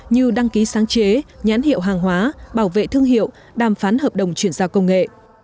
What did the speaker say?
như đăng ký sáng chế nhán hiệu hàng hóa bảo vệ thương hiệu đàm phán hợp đồng chuyển giao công nghệ